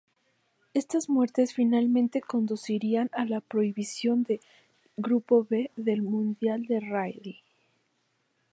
Estas muertes finalmente conducirían a la prohibición del Grupo B del mundial de rally.